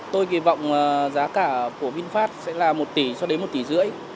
tôi kỳ vọng giá cả của vinfast sẽ là một tỷ cho đến một tỷ rưỡi